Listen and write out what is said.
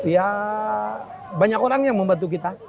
ya banyak orang yang membantu kita